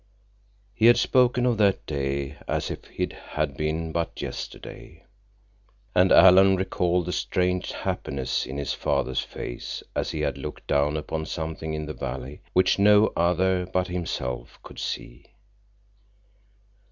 He had spoken of that day as if it had been but yesterday. And Alan recalled the strange happiness in his father's face as he had looked down upon something in the valley which no other but himself could see.